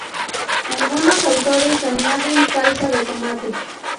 Algunos autores añaden salsa de tomate.